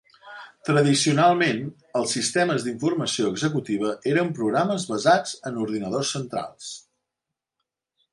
Tradicionalment, els sistemes d'informació executiva eren programes basats en ordinadors centrals.